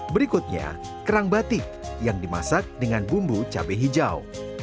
berikutnya kerang batik yang dimasak dengan bumbu cabai hijau